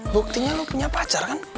buktinya lu punya pacar kan